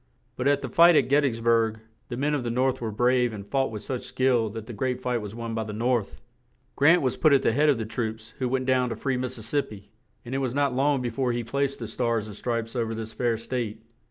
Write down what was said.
But at the fight at Get tys burg the men of the North were brave and fought with such skill that the great fight was won by the North. Grant was put at the head of the troops who went down to free Mis sis sip pi; and it was not long be fore he placed the Stars and Stripes over this fair state.